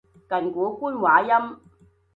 近古官話音